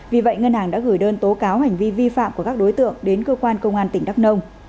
vì vậy ngân hàng đã gửi đơn tố cáo hành vi vi phạm của các đối tượng đến cơ quan công an tỉnh đắk nông